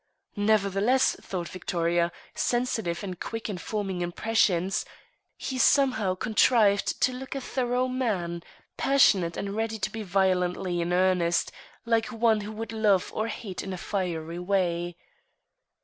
Nevertheless, thought Victoria sensitive and quick in forming impressions he somehow contrived to look a thorough man, passionate and ready to be violently in earnest, like one who would love or hate in a fiery way.